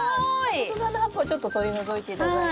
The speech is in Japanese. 外側の葉っぱをちょっと取り除いて頂いて。